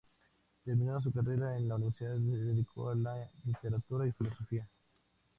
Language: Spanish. Terminando su carrera en la universidad se dedicó a la literatura y la filosofía.